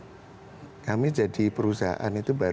jadi kita masih punya ruang pertumbuhan yang besar